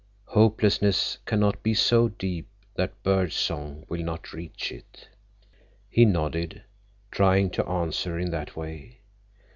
Hopelessness cannot be so deep that bird song will not reach it." He nodded, trying to answer in that way.